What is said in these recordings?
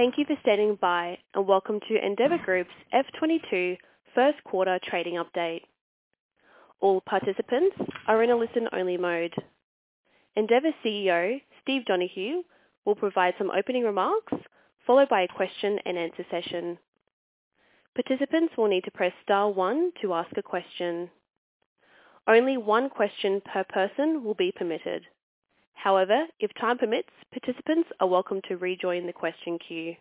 Thank you for standing by, and welcome to Endeavour Group's FY 2022 first quarter trading update. All participants are in a listen-only mode. Endeavour CEO, Steve Donohue, will provide some opening remarks followed by a question-and-answer session. Participants will need to press star one to ask a question. Only one question per person will be permitted. However, if time permits, participants are welcome to rejoin the question queue.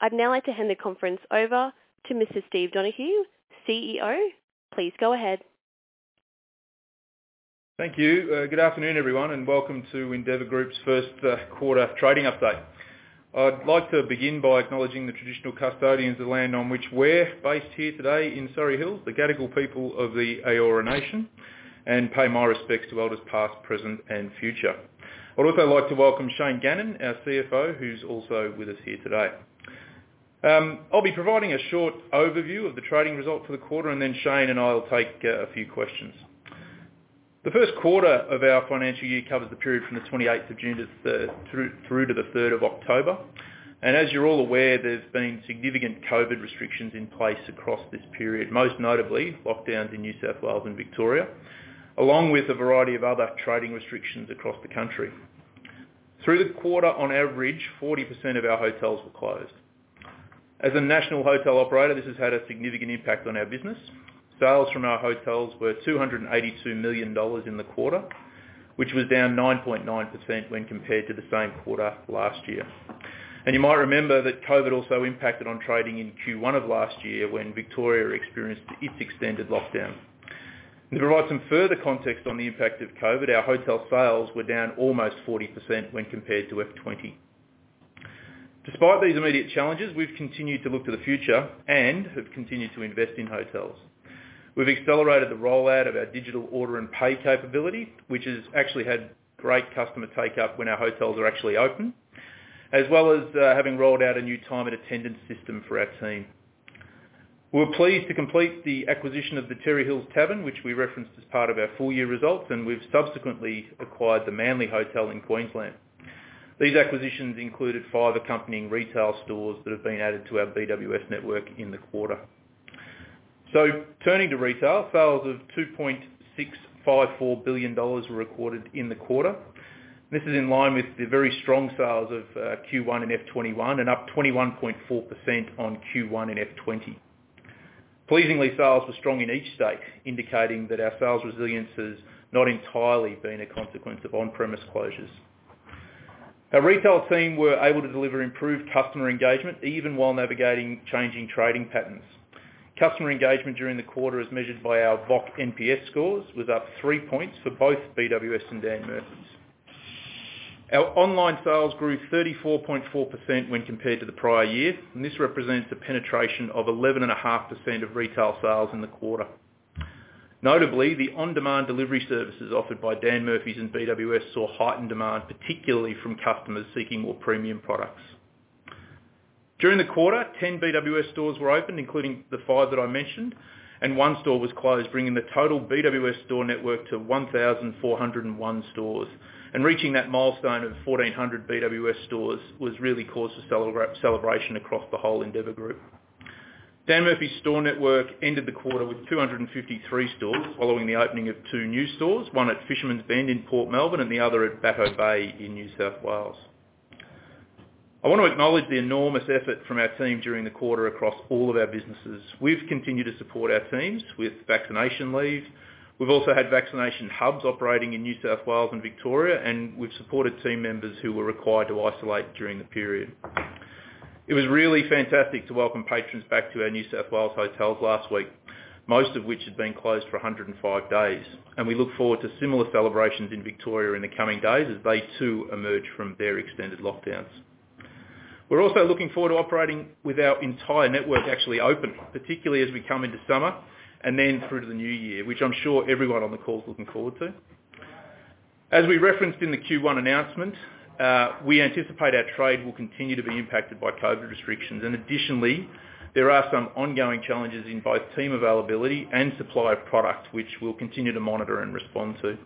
I'd now like to hand the conference over to Mr. Steve Donohue, CEO. Please go ahead. Thank you. Good afternoon, everyone, and welcome to Endeavour Group's first quarter trading update. I'd like to begin by acknowledging the traditional custodians of the land on which we're based here today in Surry Hills, the Gadigal people of the Eora Nation, and pay my respects to elders past, present, and future. I'd also like to welcome Shane Gannon, our CFO, who's also with us here today. I'll be providing a short overview of the trading results for the quarter, and then Shane and I will take a few questions. The first quarter of our financial year covers the period from the 28th of June through to the 3rd of October. As you're all aware, there's been significant COVID restrictions in place across this period, most notably lockdowns in New South Wales and Victoria, along with a variety of other trading restrictions across the country. Through the quarter on average, 40% of our hotels were closed. As a national hotel operator, this has had a significant impact on our business. Sales from our hotels were 282 million dollars in the quarter, which was down 9.9% when compared to the same quarter last year. You might remember that COVID also impacted on trading in Q1 of last year when Victoria experienced its extended lockdown. To provide some further context on the impact of COVID, our hotel sales were down almost 40% when compared to FY 2020. Despite these immediate challenges, we've continued to look to the future and have continued to invest in hotels. We've accelerated the rollout of our digital order and pay capability, which has actually had great customer take-up when our hotels are actually open, as well as having rolled out a new time and attendance system for our team. We're pleased to complete the acquisition of the Terrey Hills Tavern, which we referenced as part of our full-year results, and we've subsequently acquired the Manly Hotel in Queensland. These acquisitions included five accompanying retail stores that have been added to our BWS network in the quarter. Turning to retail, sales of 2.654 billion dollars were recorded in the quarter. This is in line with the very strong sales of Q1 in FY 2021 and up 21.4% on Q1 in FY 2020. Pleasingly, sales were strong in each state, indicating that our sales resilience has not entirely been a consequence of on-premise closures. Our retail team were able to deliver improved customer engagement even while navigating changing trading patterns. Customer engagement during the quarter, as measured by our VoC NPS scores, was up three points for both BWS and Dan Murphy's. Our online sales grew 34.4% when compared to the prior year, and this represents a penetration of 11.5% of retail sales in the quarter. Notably, the on-demand delivery services offered by Dan Murphy's and BWS saw heightened demand, particularly from customers seeking more premium products. During the quarter, 10 BWS stores were opened, including the five that I mentioned, and one store was closed, bringing the total BWS store network to 1,401 stores. Reaching that milestone of 1,400 BWS stores was really cause for celebration across the whole Endeavour Group. Dan Murphy's store network ended the quarter with 253 stores following the opening of two new stores, one at Fishermans Bend in Port Melbourne and the other at Batemans Bay in New South Wales. I want to acknowledge the enormous effort from our team during the quarter across all of our businesses. We've continued to support our teams with vaccination leave. We've also had vaccination hubs operating in New South Wales and Victoria, and we've supported team members who were required to isolate during the period. It was really fantastic to welcome patrons back to our New South Wales hotels last week, most of which had been closed for 105 days, and we look forward to similar celebrations in Victoria in the coming days as they too emerge from their extended lockdowns. We're also looking forward to operating with our entire network actually open, particularly as we come into summer and then through to the new year, which I'm sure everyone on the call is looking forward to. As we referenced in the Q1 announcement, we anticipate our trade will continue to be impacted by COVID restrictions. Additionally, there are some ongoing challenges in both team availability and supply of product, which we'll continue to monitor and respond to.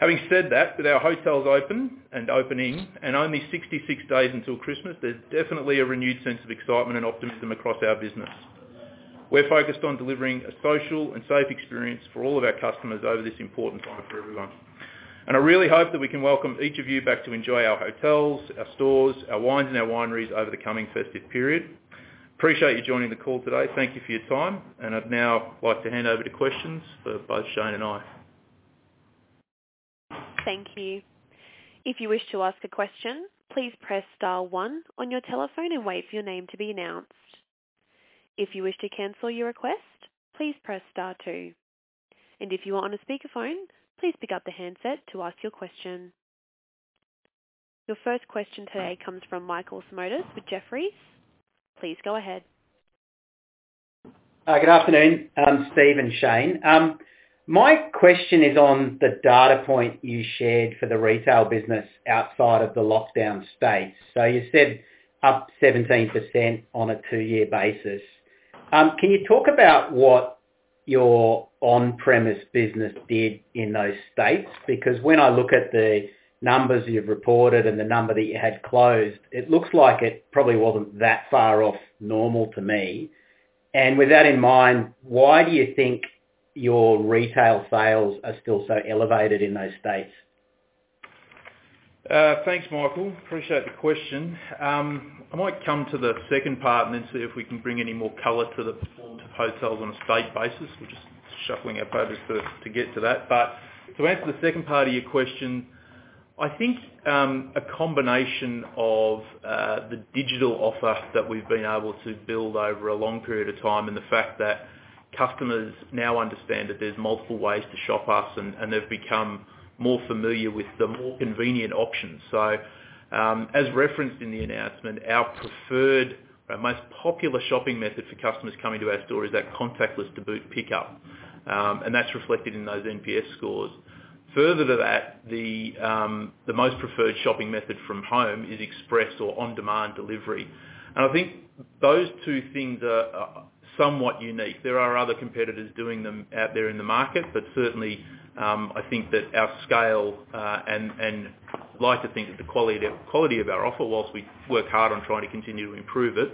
Having said that, with our hotels open and opening and only 66 days until Christmas, there's definitely a renewed sense of excitement and optimism across our business. We're focused on delivering a social and safe experience for all of our customers over this important time for everyone. I really hope that we can welcome each of you back to enjoy our hotels, our stores, our wines, and our wineries over the coming festive period. Appreciate you joining the call today. Thank you for your time. I'd now like to hand over to questions for both Shane and I. Thank you. Your first question today comes from Michael Simotas with Jefferies. Please go ahead. Good afternoon, Steve and Shane. My question is on the data point you shared for the retail business outside of the lockdown states. You said up 17% on a two year basis. Can you talk about what your on-premise business did in those states? When I look at the numbers you've reported and the number that you had closed, it looks like it probably wasn't that far off normal to me. With that in mind, why do you think your retail sales are still so elevated in those states? Thanks, Michael. Appreciate the question. I might come to the second part and then see if we can bring any more color to the hotels on a state basis. We're just shuffling our papers to get to that. To answer the second part of your question, I think, a combination of the digital offer that we've been able to build over a long period of time, and the fact that customers now understand that there's multiple ways to shop us, and they've become more familiar with the more convenient options. As referenced in the announcement, our preferred or most popular shopping method for customers coming to our store is our contactless to boot pickup, and that's reflected in those NPS scores. Further to that, the most preferred shopping method from home is express or on-demand delivery. I think those two things are somewhat unique. There are other competitors doing them out there in the market, certainly, I think that our scale, and like to think that the quality of our offer, whilst we work hard on trying to continue to improve it,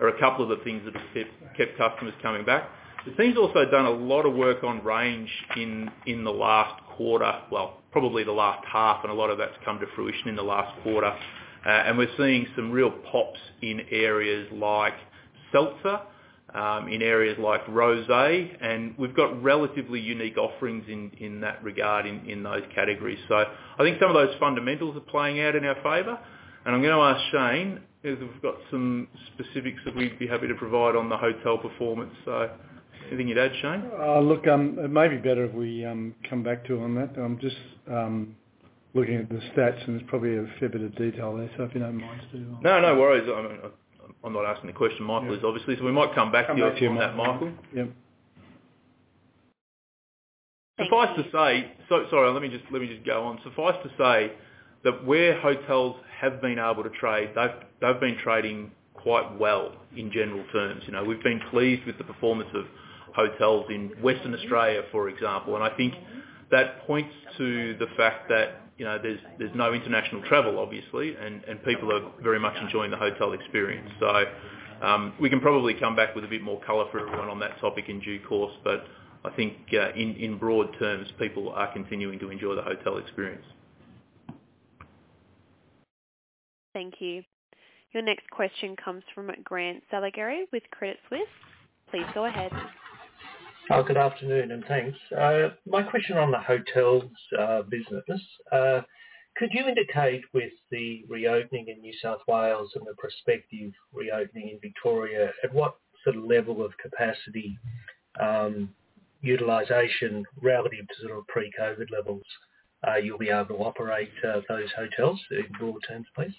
are two of the things that have kept customers coming back. The team's also done a lot of work on range in the last quarter, well, probably the last half, a lot of that's come to fruition in the last quarter. We're seeing some real pops in areas like seltzer, in areas like rosé, we've got relatively unique offerings in that regard in those categories. I think some of those fundamentals are playing out in our favor. I'm going to ask Shane if he's got some specifics that we'd be happy to provide on the hotel performance. Anything you'd add, Shane? Look, it may be better if we come back to you on that. I'm just looking at the stats, and there's probably a fair bit of detail there, if you don't mind, Steve. No, no worries. I'm not asking the question, Michael is, obviously. We might come back to you on that, Michael. Yep. Suffice to say that where hotels have been able to trade, they've been trading quite well in general terms. We've been pleased with the performance of hotels in Western Australia, for example. I think that points to the fact that there's no international travel, obviously, and people are very much enjoying the hotel experience. We can probably come back with a bit more color for everyone on that topic in due course. I think, in broad terms, people are continuing to enjoy the hotel experience. Thank you. Your next question comes from Grant Saligari with Credit Suisse. Please go ahead. Good afternoon, thanks. My question on the hotels business. Could you indicate with the reopening in New South Wales and the prospective reopening in Victoria, at what sort of level of capacity, utilization relative to sort of pre-COVID levels, you'll be able to operate those hotels in broad terms, please?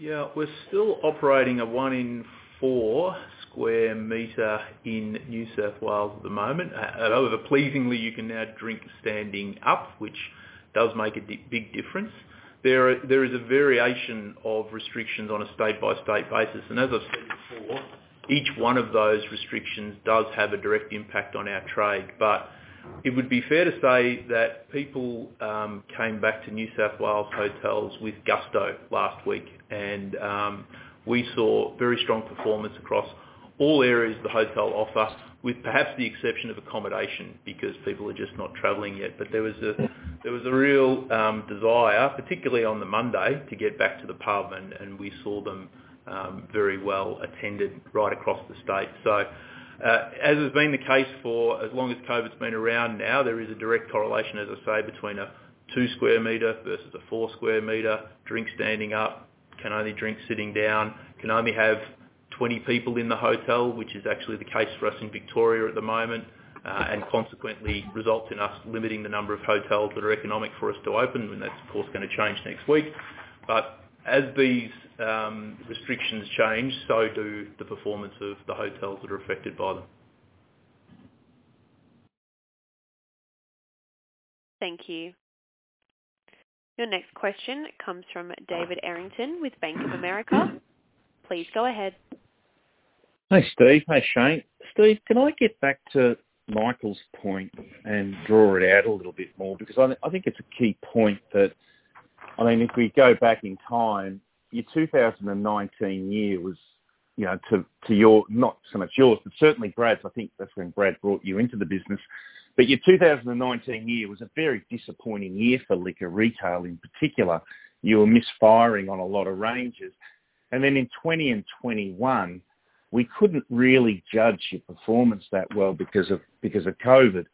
We're still operating a 1 in 4 sq mi in New South Wales at the moment. However, pleasingly, you can now drink standing up, which does make a big difference. There is a variation of restrictions on a state-by-state basis, and as I've said before, each one of those restrictions does have a direct impact on our trade. It would be fair to say that people came back to New South Wales hotels with gusto last week. We saw very strong performance across all areas of the hotel offer, with perhaps the exception of accommodation because people are just not traveling yet. There was a real desire, particularly on the Monday, to get back to the pub, and we saw them very well attended right across the state. As has been the case for as long as COVID's been around now, there is a direct correlation, as I say, between a 2 sq mi versus a 4 sq mi, drink standing up, can only drink sitting down, can only have 20 people in the hotel, which is actually the case for us in Victoria at the moment, and consequently, results in us limiting the number of hotels that are economic for us to open, and that's of course going to change next week. As these restrictions change, so do the performance of the hotels that are affected by them. Thank you. Your next question comes from David Errington with Bank of America. Please go ahead. Hi, Steve. Hi, Shane. Steve, can I get back to Michael's point and draw it out a little bit more? I think it's a key point that, if we go back in time, your 2019 year was, to your, not so much yours, but certainly Brad's, I think that's when Brad brought you into the business, but your 2019 year was a very disappointing year for liquor retail in particular. You were misfiring on a lot of ranges. In 2020 and 2021, we couldn't really judge your performance that well because of COVID.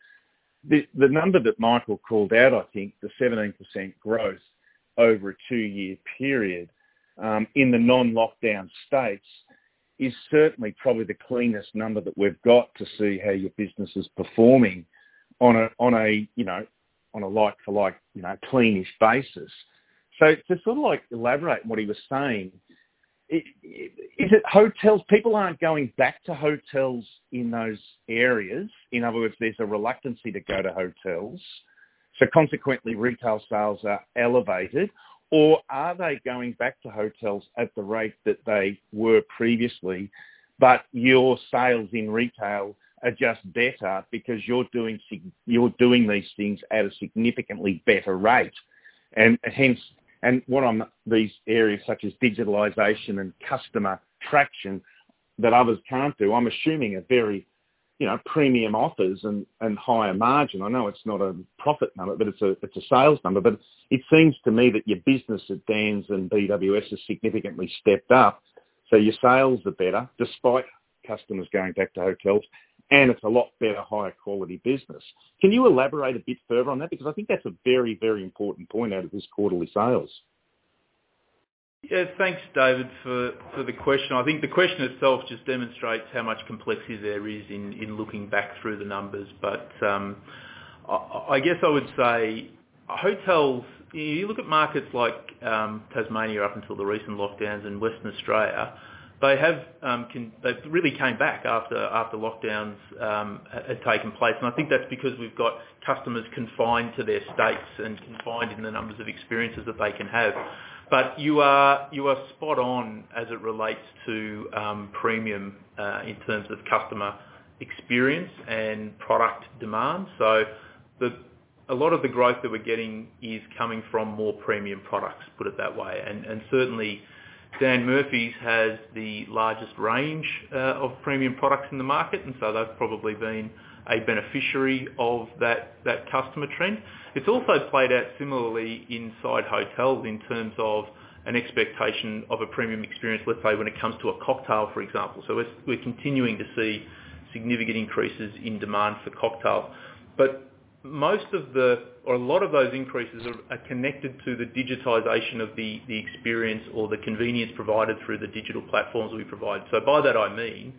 The number that Michael called out, I think, the 17% growth over a two-year period, in the non-lockdown states, is certainly probably the cleanest number that we've got to see how your business is performing on a like for like, cleanish basis. To sort of like elaborate on what he was saying, is it hotels, people aren't going back to hotels in those areas? In other words, there's a reluctance to go to hotels. Consequently, retail sales are elevated, or are they going back to hotels at the rate that they were previously, but your sales in retail are just better because you're doing these things at a significantly better rate? What are these areas such as digitalization and customer traction that others can't do? I'm assuming very premium offers and higher margin. I know it's not a profit number, but it's a sales number. It seems to me that your business at Dan's and BWS has significantly stepped up. Your sales are better despite customers going back to hotels, and it's a lot better, higher quality business. Can you elaborate a bit further on that? I think that's a very, very important point out of this quarterly sales. Yeah. Thanks, David, for the question. I think the question itself just demonstrates how much complexity there is in looking back through the numbers. I guess I would say hotels, you look at markets like Tasmania up until the recent lockdowns in Western Australia. They've really came back after lockdowns had taken place, and I think that's because we've got customers confined to their states and confined in the numbers of experiences that they can have. You are spot on as it relates to premium in terms of customer experience and product demand. A lot of the growth that we're getting is coming from more premium products, put it that way. Certainly Dan Murphy's has the largest range of premium products in the market, that's probably been a beneficiary of that customer trend. It's also played out similarly inside hotels in terms of an expectation of a premium experience, let's say when it comes to a cocktail, for example. We're continuing to see significant increases in demand for cocktail. A lot of those increases are connected to the digitization of the experience or the convenience provided through the digital platforms we provide. By that I mean,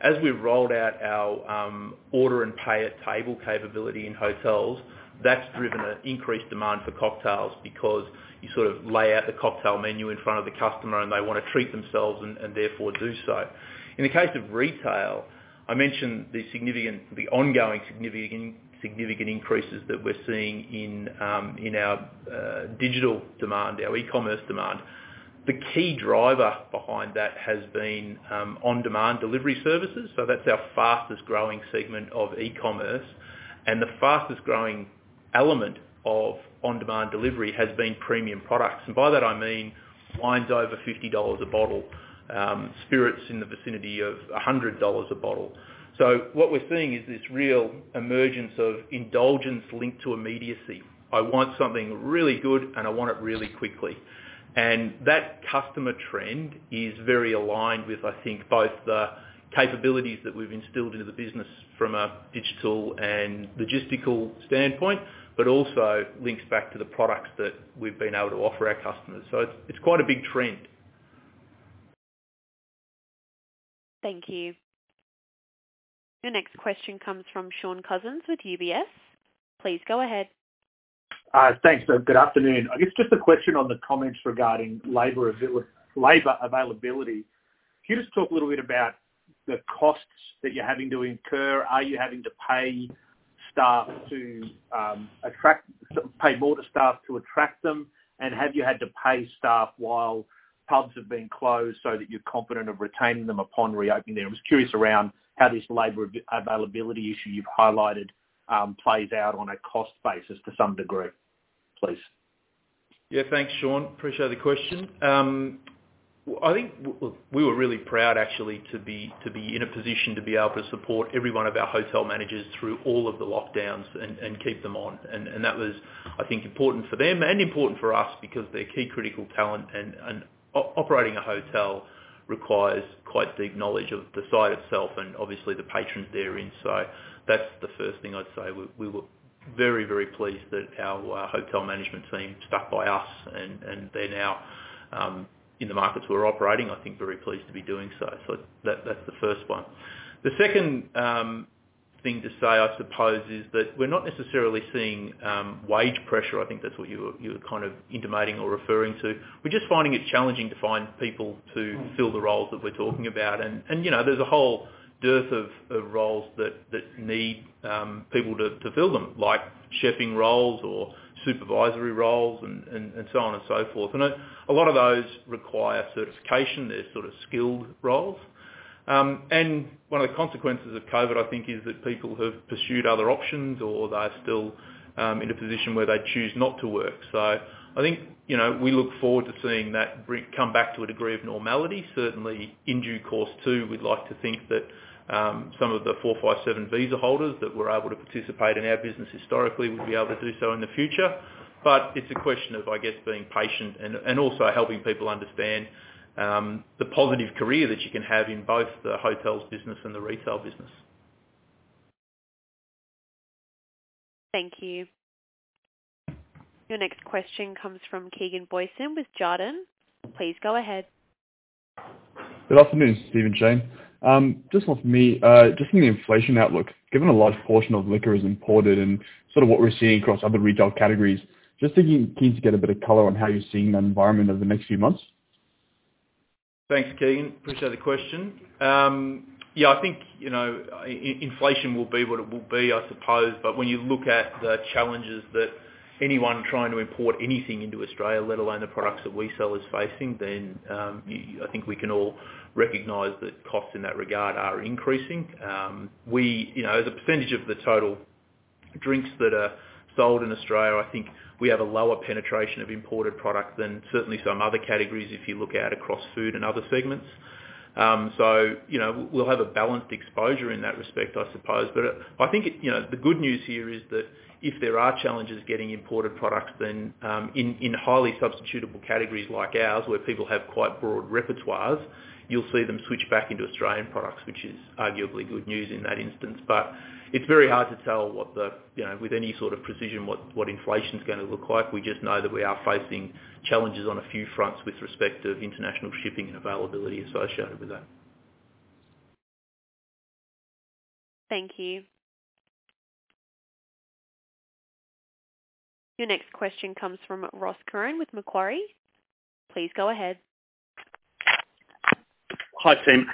as we've rolled out our order and pay at table capability in hotels, that's driven an increased demand for cocktails because you sort of lay out the cocktail menu in front of the customer, and they want to treat themselves and therefore do so. In the case of retail, I mentioned the ongoing significant increases that we're seeing in our digital demand, our e-commerce demand. The key driver behind that has been on-demand delivery services. That's our fastest growing segment of e-commerce. The fastest growing element of on-demand delivery has been premium products. By that I mean wines over 50 dollars a bottle, spirits in the vicinity of 100 dollars a bottle. What we're seeing is this real emergence of indulgence linked to immediacy. I want something really good, and I want it really quickly. That customer trend is very aligned with, I think, both the capabilities that we've instilled into the business from a digital and logistical standpoint, but also links back to the products that we've been able to offer our customers. It's quite a big trend. Thank you. Your next question comes from Shaun Cousins with UBS. Please go ahead. Thanks. Good afternoon. I guess just a question on the comments regarding labor availability. Can you just talk a little bit about the costs that you're having to incur? Are you having to pay more to staff to attract them? Have you had to pay staff while pubs have been closed so that you're confident of retaining them upon reopening there? I was curious around how this labor availability issue you've highlighted plays out on a cost basis to some degree, please. Yeah, thanks, Shaun. Appreciate the question. I think we were really proud actually to be in a position to be able to support every one of our hotel managers through all of the lockdowns and keep them on. That was, I think, important for them and important for us because they're key critical talent, and operating a hotel requires quite deep knowledge of the site itself and obviously the patrons therein. That's the first thing I'd say. We were very, very pleased that our hotel management team stuck by us, and they're now, in the markets we're operating, I think very pleased to be doing so. That's the first one. The second thing to say, I suppose, is that we're not necessarily seeing wage pressure. I think that's what you were kind of intimating or referring to. We're just finding it challenging to find people to fill the roles that we're talking about, there's a whole dearth of roles that need people to fill them, like cheffing roles or supervisory roles and so on and so forth. A lot of those require certification. They're sort of skilled roles. One of the consequences of COVID, I think, is that people have pursued other options or they're still in a position where they choose not to work. I think we look forward to seeing that come back to a degree of normality. Certainly in due course too, we'd like to think that some of the 457 visa holders that were able to participate in our business historically will be able to do so in the future. It's a question of, I guess, being patient and also helping people understand the positive career that you can have in both the hotels business and the retail business. Thank you. Your next question comes from Ben Gilbert with Jarden. Please go ahead. Good afternoon, Steve and Shane. Just one from me. Just from the inflation outlook, given a large portion of liquor is imported and sort of what we're seeing across other retail categories, just keen to get a bit of color on how you're seeing that environment over the next few months? Thanks, Ben. Appreciate the question. Yeah, I think, inflation will be what it will be, I suppose, but when you look at the challenges that anyone trying to import anything into Australia, let alone the products that we sell, is facing, then I think we can all recognize that costs in that regard are increasing. The percentage of the total drinks that are sold in Australia, I think we have a lower penetration of imported product than certainly some other categories if you look out across food and other segments. We'll have a balanced exposure in that respect, I suppose. I think the good news here is that if there are challenges getting imported products, then in highly substitutable categories like ours, where people have quite broad repertoires, you'll see them switch back into Australian products, which is arguably good news in that instance. It's very hard to tell with any sort of precision, what inflation's gonna look like. We just know that we are facing challenges on a few fronts with respect of international shipping and availability associated with that. Thank you. Your next question comes from Ross Curran with Macquarie. Please go ahead. Hi, team.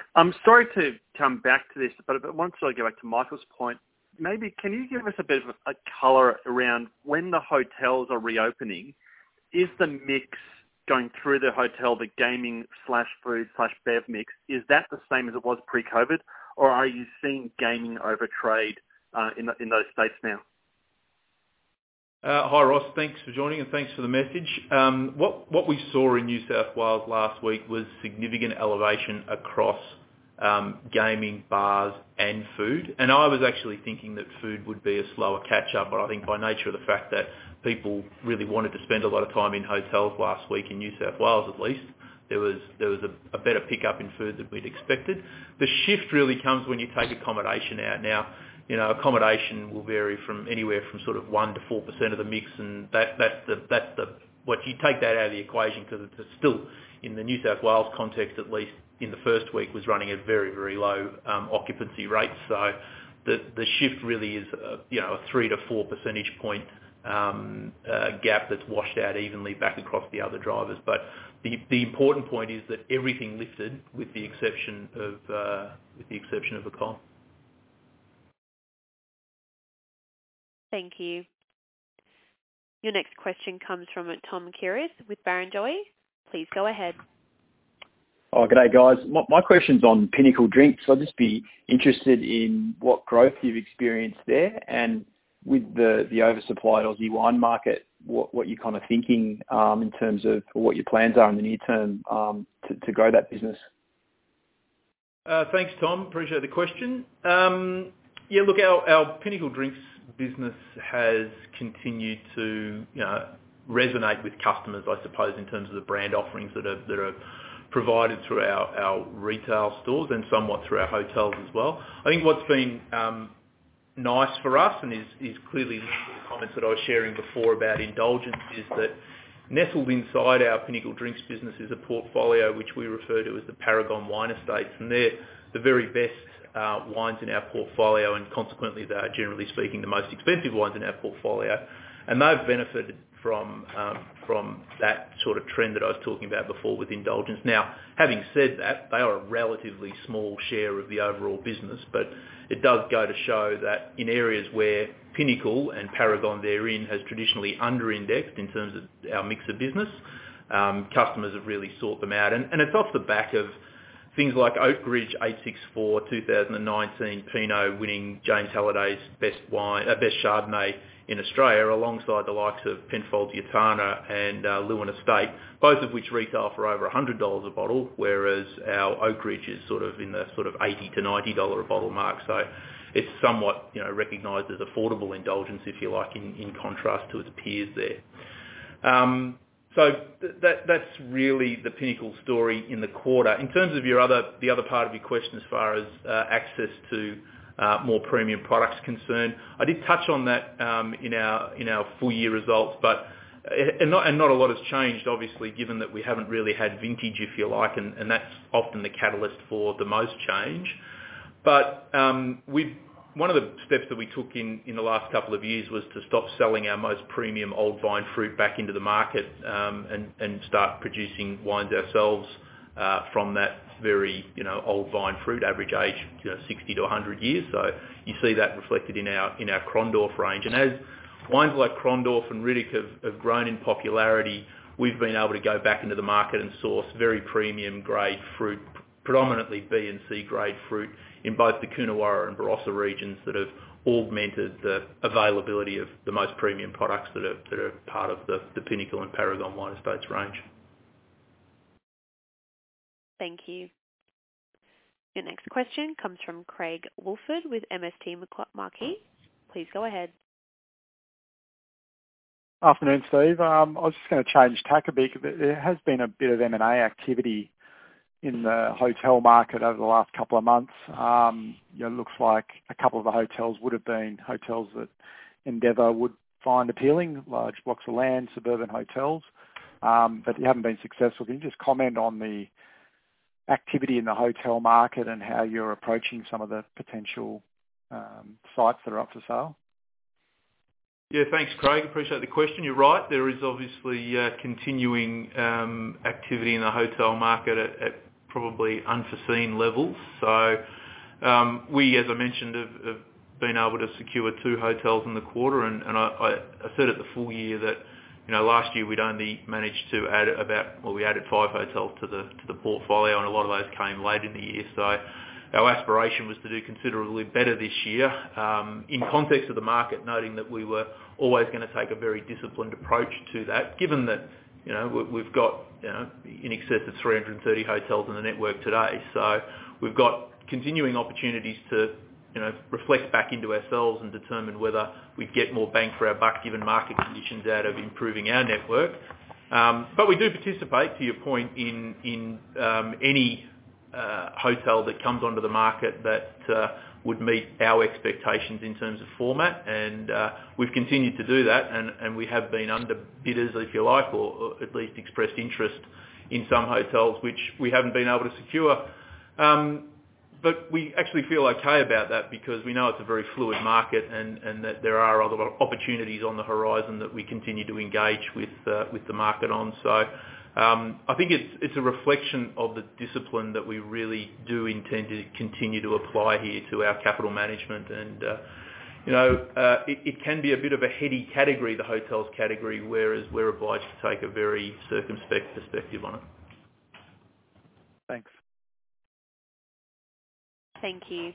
Sorry to come back to this, I wanted to go back to Michael Simotas' point. Maybe, can you give us a bit of a color around when the hotels are reopening? Is the mix going through the hotel, the gaming/food/bev mix, is that the same as it was pre-COVID, or are you seeing gaming over trade, in those states now? Hi, Ross. Thanks for joining and thanks for the message. What we saw in New South Wales last week was significant elevation across gaming, bars, and food. I was actually thinking that food would be a slower catch-up, but I think by nature of the fact that people really wanted to spend a lot of time in hotels last week in New South Wales at least, there was a better pickup in food than we'd expected. The shift really comes when you take accommodation out. Now, accommodation will vary from anywhere from 1% to 4% of the mix, and once you take that out of the equation, because it's still, in the New South Wales context at least, in the first week, was running at very, very low occupancy rates. The shift really is a three to four percentage point gap that's washed out evenly back across the other drivers. The important point is that everything lifted with the exception of alcohol. Thank you. Your next question comes from Tom Kierath with Barrenjoey. Please go ahead. G'day, guys. My question's on Pinnacle Drinks. I'd just be interested in what growth you've experienced there, and with the oversupply Aussie wine market, what you're thinking, in terms of what your plans are in the near term to grow that business. Thanks, Tom. Appreciate the question. Yeah, look, our Pinnacle Drinks business has continued to resonate with customers, I suppose, in terms of the brand offerings that are provided through our retail stores, and somewhat through our hotels as well. I think what's been nice for us, and is clearly linked to the comments that I was sharing before about indulgence is that, nestled inside our Pinnacle Drinks business is a portfolio which we refer to as the Paragon Wine Estates, and they're the very best wines in our portfolio, and consequently, they are, generally speaking, the most expensive wines in our portfolio. They've benefited from that sort of trend that I was talking about before with indulgence. Having said that, they are a relatively small share of the overall business, but it does go to show that in areas where Pinnacle, and Paragon therein, has traditionally under-indexed in terms of our mix of business, customers have really sought them out. It's off the back of things like Oakridge 864 2019 Pinot winning James Halliday's best Chardonnay in Australia, alongside the likes of Penfolds Grange and Leeuwin Estate, both of which retail for over 100 dollars a bottle, whereas our Oakridge is in the sort of 80-90 dollar a bottle mark. It's somewhat recognized as affordable indulgence, if you like, in contrast to its peers there. That's really the Pinnacle story in the quarter. In terms of the other part of your question, as far as access to more premium products concerned, I did touch on that in our full year results. Not a lot has changed, obviously, given that we haven't really had vintage, if you like, and that's often the catalyst for the most change. 1 of the steps that we took in the last couple of years was to stop selling our most premium old vine fruit back into the market, and start producing wines ourselves, from that very old vine fruit, average age 60-100 years. You see that reflected in our Krondorf range. As wines like Krondorf and Riddoch have grown in popularity, we've been able to go back into the market and source very premium grade fruit, predominantly B and C grade fruit, in both the Coonawarra and Barossa regions, that have augmented the availability of the most premium products that are part of the Pinnacle and Paragon Wine Estates range. Thank you. Your next question comes from Craig Woolford with MST Marquee. Please go ahead. Afternoon, Steve. I was just gonna change tack a bit. There has been a bit of M&A activity in the hotel market over the last couple of months. It looks like a couple of the hotels would've been hotels that Endeavour would find appealing, large blocks of land, suburban hotels. You haven't been successful. Can you just comment on the activity in the hotel market and how you're approaching some of the potential sites that are up for sale? Yeah, thanks, Craig. Appreciate the question. You're right. There is obviously continuing activity in the hotel market at probably unforeseen levels. We, as I mentioned, have been able to secure two hotels in the quarter, and I said at the full year that last year we'd only managed to add about, well, we added five hotels to the portfolio, and a lot of those came late in the year. Our aspiration was to do considerably better this year. In context of the market, noting that we were always going to take a very disciplined approach to that, given that we've got in excess of 330 hotels in the network today. We've got continuing opportunities to reflect back into ourselves and determine whether we'd get more bang for our buck, given market conditions out of improving our network. We do participate, to your point, in any hotel that comes onto the market that would meet our expectations in terms of format. We've continued to do that, and we have been under bidders, if you like, or at least expressed interest in some hotels, which we haven't been able to secure. We actually feel okay about that because we know it's a very fluid market, and that there are other opportunities on the horizon that we continue to engage with the market on. I think it's a reflection of the discipline that we really do intend to continue to apply here to our capital management. It can be a bit of a heady category, the hotels category, whereas we're obliged to take a very circumspect perspective on it. Thanks. Thank you.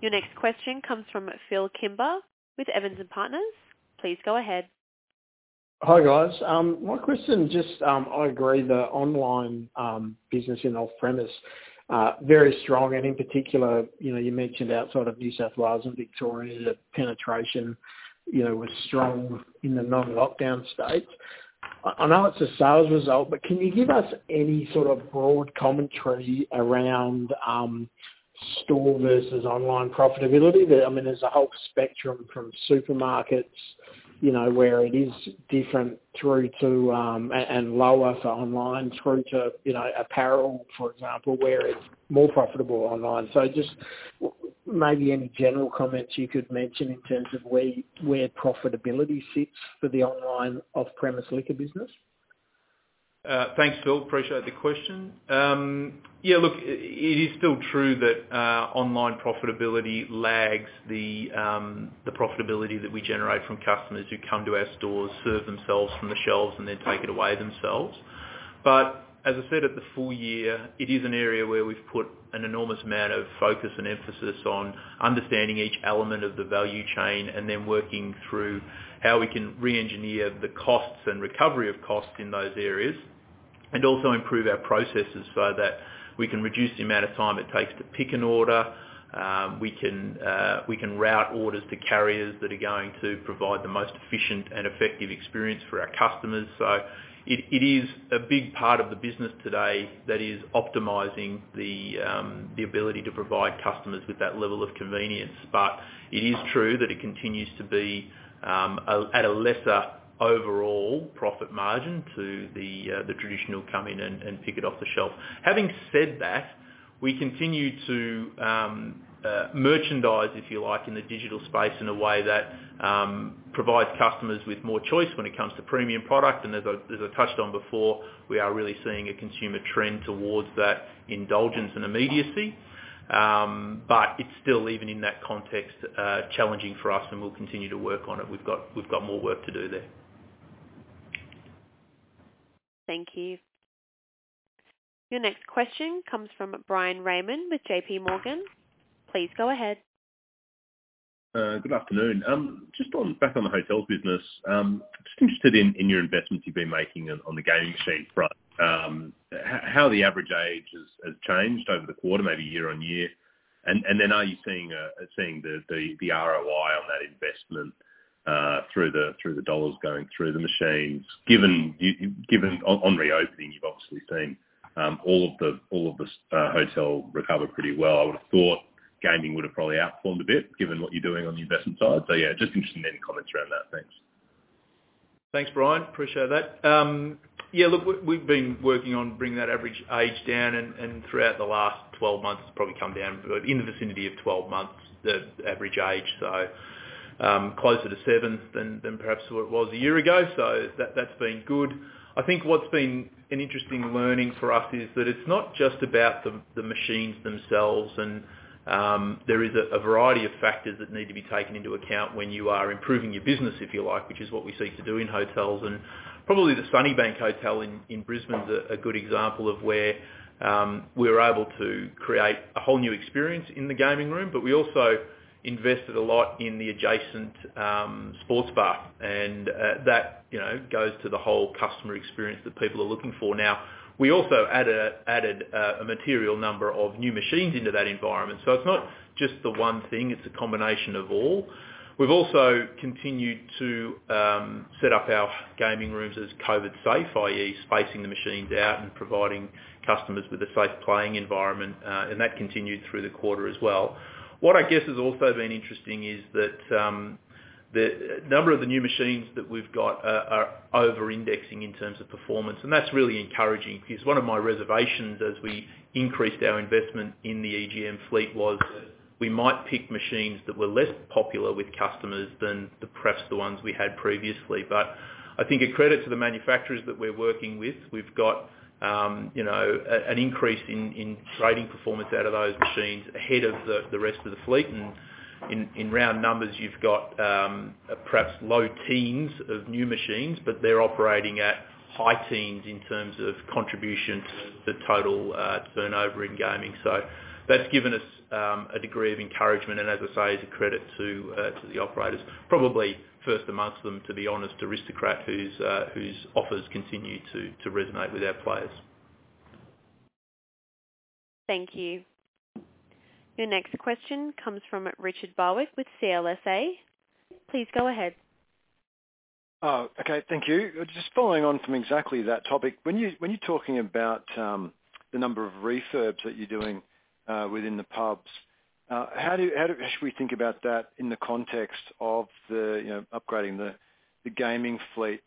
Your next question comes from Phillip Kimber with Evans and Partners. Please go ahead. Hi, guys. My question just, I agree that online business in off-premise are very strong and in particular, you mentioned outside of New South Wales and Victoria, that penetration was strong in the non-lockdown states. Can you give us any sort of broad commentary around store versus online profitability? There's a whole spectrum from supermarkets, where it is different through to, and lower for online through to apparel, for example, where it's more profitable online. Just maybe any general comments you could mention in terms of where profitability sits for the online off-premise liquor business? Thanks, Phil. Appreciate the question. Yeah, look, it is still true that online profitability lags the profitability that we generate from customers who come to our stores, serve themselves from the shelves, and then take it away themselves. As I said at the full year, it is an area where we've put an enormous amount of focus and emphasis on understanding each element of the value chain, and then working through how we can re-engineer the costs and recovery of costs in those areas, and also improve our processes so that we can reduce the amount of time it takes to pick an order. We can route orders to carriers that are going to provide the most efficient and effective experience for our customers. It is a big part of the business today that is optimizing the ability to provide customers with that level of convenience. It is true that it continues to be at a lesser overall profit margin to the traditional come in and pick it off the shelf. Having said that, we continue to merchandise, if you like, in the digital space in a way that provides customers with more choice when it comes to premium product. As I touched on before, we are really seeing a consumer trend towards that indulgence and immediacy. It is still, even in that context, challenging for us, and we will continue to work on it. We have got more work to do there. Thank you. Your next question comes from Bryan Raymond with JPMorgan. Please go ahead. Good afternoon. Just back on the hotels business. Just interested in your investments you've been making on the gaming machine front. How the average age has changed over the quarter, maybe year-on-year. Are you seeing the ROI on that investment through the AUD going through the machines? Given on reopening, you've obviously seen all of the hotel recover pretty well. I would have thought gaming would have probably outperformed a bit given what you're doing on the investment side. Yeah, just interested in any comments around that. Thanks. Thanks, Bryan. Appreciate that. Yeah, look, we've been working on bringing that average age down. Throughout the last 12 months it's probably come down in the vicinity of 12 months, the average age. Closer to seven than perhaps what it was a year ago. That's been good. I think what's been an interesting learning for us is that it's not just about the machines themselves. There is a variety of factors that need to be taken into account when you are improving your business, if you like, which is what we seek to do in hotels. Probably the Sunnybank Hotel in Brisbane is a good example of where we were able to create a whole new experience in the gaming room. We also invested a lot in the adjacent sports bar. That goes to the whole customer experience that people are looking for now. We also added a material number of new machines into that environment. It's not just the one thing, it's a combination of all. We've also continued to set up our gaming rooms as COVID-safe, i.e., spacing the machines out and providing customers with a safe playing environment, and that continued through the quarter as well. What I guess has also been interesting is that a number of the new machines that we've got are over-indexing in terms of performance. That's really encouraging because one of my reservations as we increased our investment in the EGM fleet was that we might pick machines that were less popular with customers than perhaps the ones we had previously. I think a credit to the manufacturers that we're working with, we've got an increase in trading performance out of those machines ahead of the rest of the fleet. In round numbers, you've got perhaps low teens of new machines, but they're operating at high teens in terms of contribution to the total turnover in gaming. That's given us a degree of encouragement, and as I say, is a credit to the operators. Probably first amongst them, to be honest, Aristocrat, whose offers continue to resonate with our players. Thank you. Your next question comes from Richard Barwick with CLSA. Please go ahead. Okay, thank you. Just following on from exactly that topic. When you're talking about the number of refurbs that you're doing within the pubs, how should we think about that in the context of upgrading the gaming fleet?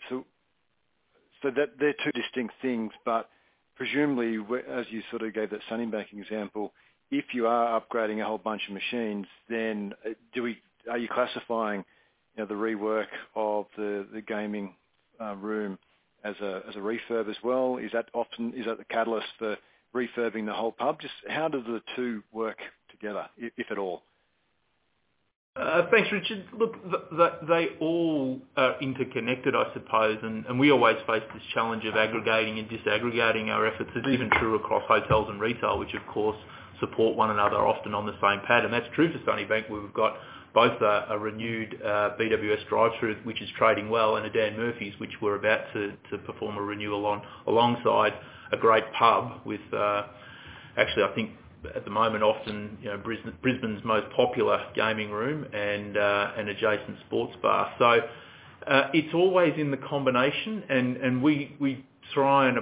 They're two distinct things, but presumably, as you gave that Sunnybank example, if you are upgrading a whole bunch of machines, then are you classifying the rework of the gaming room as a refurb as well? Is that the catalyst for refurbing the whole pub? Just how do the two work together, if at all? Thanks, Richard. Look, they all are interconnected, I suppose. We always face this challenge of aggregating and disaggregating our efforts. It's even true across hotels and retail, which of course support one another, often on the same pad. That's true for Sunnybank. We've got both a renewed BWS drive-through, which is trading well, and a Dan Murphy's, which we're about to perform a renewal on, alongside a great pub with, actually, I think at the moment, often Brisbane's most popular gaming room and adjacent sports bar. It's always in the combination, and we try and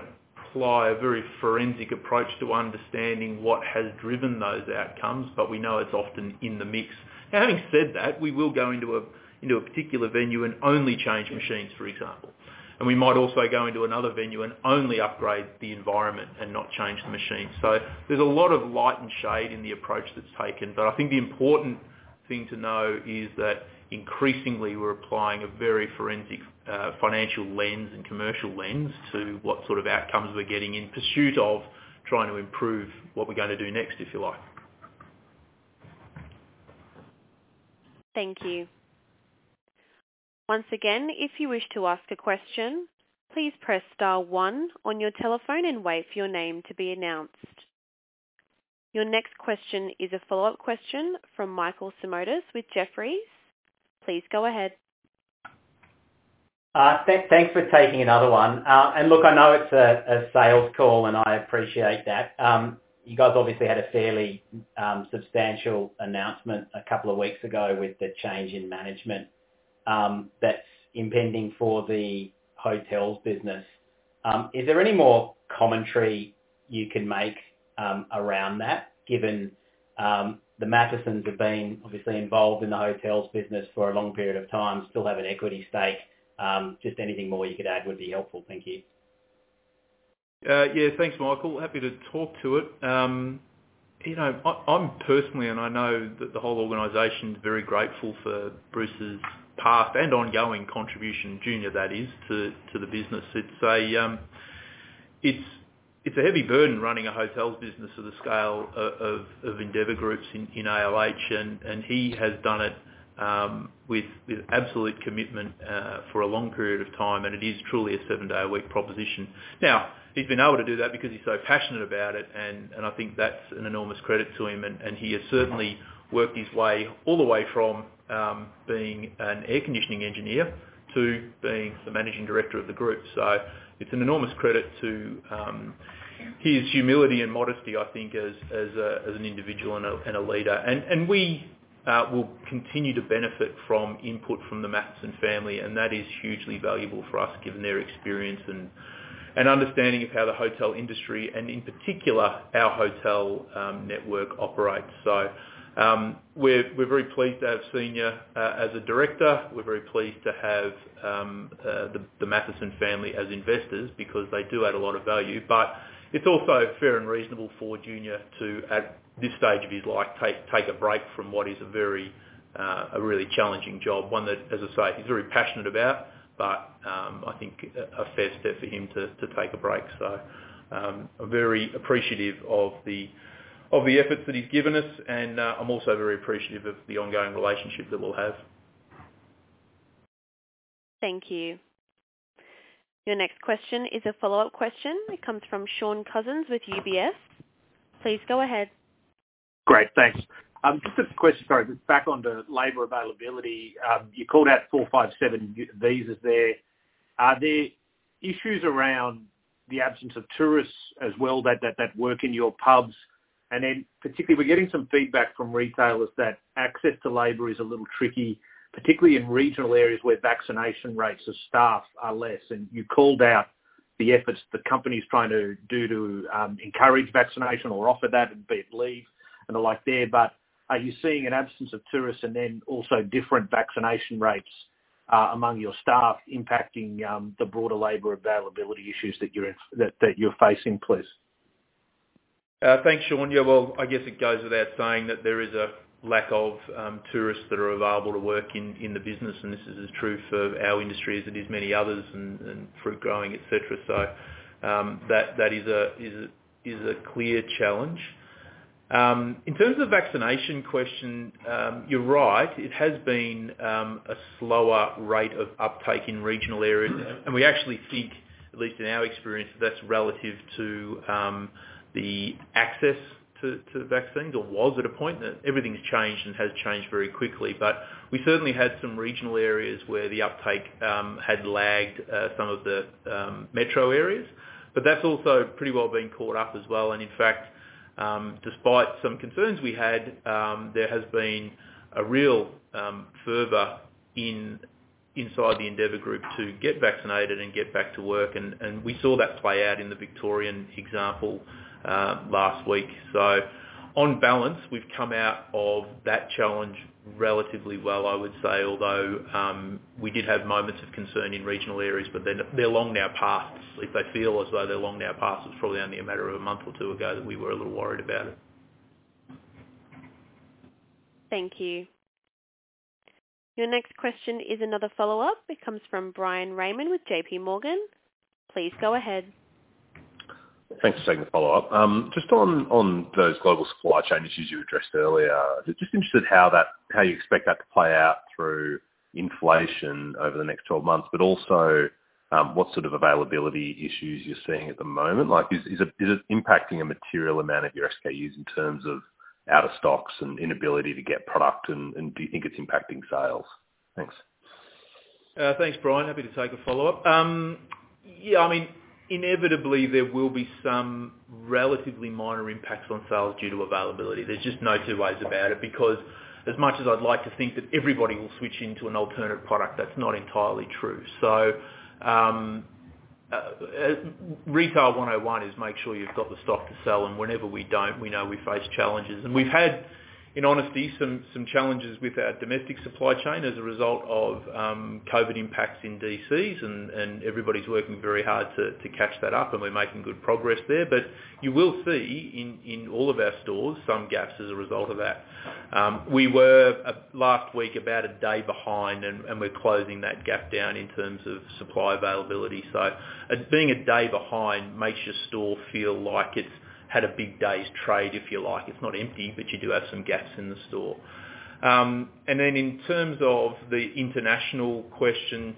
apply a very forensic approach to understanding what has driven those outcomes. We know it's often in the mix. Now, having said that, we will go into a particular venue and only change machines, for example. We might also go into another venue and only upgrade the environment and not change the machines. There's a lot of light and shade in the approach that's taken. I think the important thing to know is that increasingly we're applying a very forensic financial lens and commercial lens to what sort of outcomes we're getting in pursuit of trying to improve what we're going to do next, if you like. Thank you. Once again, if you wish to ask a question, please press star one on your telephone and wait for your name to be announced. Your next question is a follow-up question from Michael Simotas with Jefferies. Please go ahead. Thanks for taking another one. Look, I know it's a sales call, I appreciate that. You guys obviously had a fairly substantial announcement two weeks ago with the change in management that's impending for the hotels business. Is there any more commentary you can make around that, given the Mathiesons have been obviously involved in the hotels business for a long period of time, still have an equity stake. Just anything more you could add would be helpful. Thank you. Yeah. Thanks, Michael. Happy to talk to it. I’m personally, and I know that the whole organization’s very grateful for Bruce’s past and ongoing contribution, Junior, that is, to the business. It’s a heavy burden running a hotels business of the scale of Endeavour Group’s in ALH. He has done it with absolute commitment for a long period of time, and it is truly a seven-day-a-week proposition. Now he’s been able to do that because he’s so passionate about it, and I think that’s an enormous credit to him, and he has certainly worked his way all the way from being an air conditioning engineer to being the Managing Director of the group. It’s an enormous credit to his humility and modesty, I think, as an individual and a leader. We will continue to benefit from input from the Mathieson family, and that is hugely valuable for us, given their experience and understanding of how the hotel industry and in particular our hotel network operates. We're very pleased to have Senior as a director. We're very pleased to have the Mathieson family as investors because they do add a lot of value. It's also fair and reasonable for Junior to, at this stage of his life, take a break from what is a really challenging job. One that, as I say, he's very passionate about. I think a fair step for him to take a break. I'm very appreciative of the efforts that he's given us, and I'm also very appreciative of the ongoing relationship that we'll have. Thank you. Your next question is a follow-up question. It comes from Shaun Cousins with UBS. Please go ahead. Great. Thanks. Just a question, sorry, back on the labor availability. You called out 457 visas there. Are there issues around the absence of tourists as well that work in your pubs? Particularly, we're getting some feedback from retailers that access to labor is a little tricky, particularly in regional areas where vaccination rates of staff are less. You called out the efforts the company's trying to do to encourage vaccination or offer that, be it leave and the like there. Are you seeing an absence of tourists and then also different vaccination rates among your staff impacting the broader labor availability issues that you're facing, please? Thanks, Shaun Cousins. Yeah, well, I guess it goes without saying that there is a lack of tourists that are available to work in the business, and this is as true for our industry as it is many others and fruit growing, et cetera. That is a clear challenge. In terms of vaccination question, you're right. It has been a slower rate of uptake in regional areas, and we actually think, at least in our experience, that's relative to the access to the vaccines, or was at a point. Everything's changed and has changed very quickly. We certainly had some regional areas where the uptake had lagged some of the metro areas. That's also pretty well been caught up as well. In fact, despite some concerns we had, there has been a real fervor inside the Endeavour Group to get vaccinated and get back to work, and we saw that play out in the Victorian example last week. On balance, we've come out of that challenge relatively well, I would say. Although, we did have moments of concern in regional areas, they're long now past. If they feel as though they're long now past, it's probably only a matter of a month or two ago that we were a little worried about it. Thank you. Your next question is another follow-up. It comes from Bryan Raymond with JPMorgan. Please go ahead. Thanks for taking the follow-up. Just on those global supply chain issues you addressed earlier, just interested how you expect that to play out through inflation over the next 12 months, but also what sort of availability issues you're seeing at the moment. Is it impacting a material amount of your SKUs in terms of out of stocks and inability to get product? Do you think it's impacting sales? Thanks. Thanks, Bryan Raymond. Happy to take a follow-up. Inevitably, there will be some relatively minor impacts on sales due to availability. There's just no two ways about it because as much as I'd like to think that everybody will switch into an alternative product, that's not entirely true. Retail 101 is make sure you've got the stock to sell, and whenever we don't, we know we face challenges. We've had, in honesty, some challenges with our domestic supply chain as a result of COVID impacts in DCs, and everybody's working very hard to catch that up, and we're making good progress there. You will see in all of our stores some gaps as a result of that. We were last week about a day behind, and we're closing that gap down in terms of supply availability. Being one day behind makes your store feel like it's had one big day's trade, if you like. It's not empty, but you do have some gaps in the store. In terms of the international question,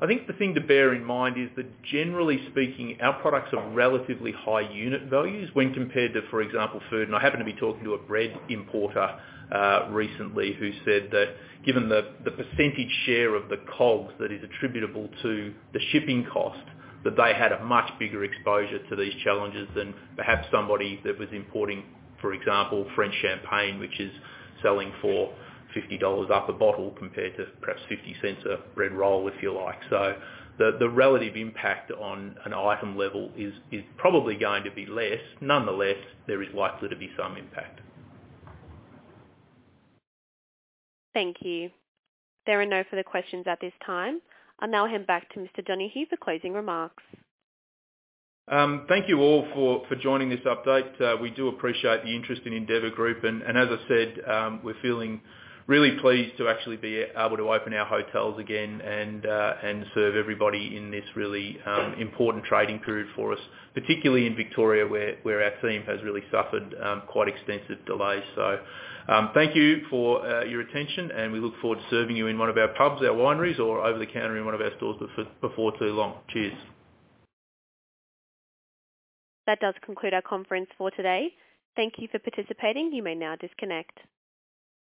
I think the thing to bear in mind is that generally speaking, our products are relatively high unit values when compared to, for example, food. I happen to be talking to a bread importer recently who said that given the percentage share of the COGS that is attributable to the shipping cost, that they had a much bigger exposure to these challenges than perhaps somebody that was importing, for example, French Champagne, which is selling for 50 dollars up a bottle compared to perhaps 0.50 a bread roll, if you like. The relative impact on one item level is probably going to be less. Nonetheless, there is likely to be some impact. Thank you. There are no further questions at this time. I'll now hand back to Mr. Donohue for closing remarks. Thank you all for joining this update. We do appreciate the interest in Endeavour Group. As I said, we're feeling really pleased to actually be able to open our hotels again and serve everybody in this really important trading period for us, particularly in Victoria, where our team has really suffered quite extensive delays. Thank you for your attention, and we look forward to serving you in one of our pubs, our wineries, or over the counter in one of our stores before too long. Cheers. That does conclude our conference for today. Thank you for participating. You may now disconnect.